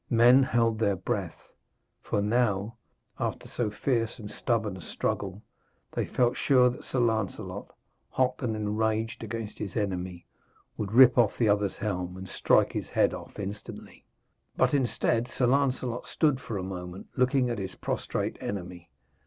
Men held their breath, for now, after so fierce and stubborn a struggle, they felt sure that Sir Lancelot, hot and enraged against his enemy, would rip off the other's helm and strike his head off instantly. But, instead, Sir Lancelot stood for a moment looking at his prostrate enemy.